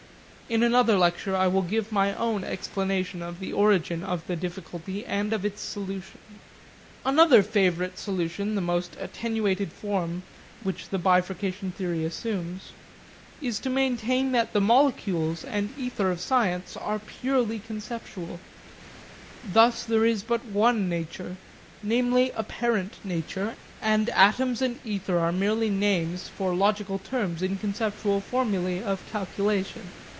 In another lecture I will give my own explanation of the origin of the difficulty and of its solution. Another favourite solution, the most attenuated form which the bifurcation theory assumes, is to maintain that the molecules and ether of science are purely conceptual. Thus there is but one nature, namely apparent nature, and atoms and ether are merely names for logical terms in conceptual formulae of calculation.